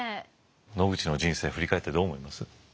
野口の人生振り返ってどう思います？